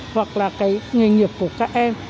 hoặc là cái nghề nghiệp của các em